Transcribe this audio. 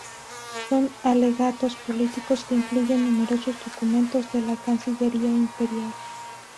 Son alegatos políticos que incluyen numerosos documentos de la cancillería imperial.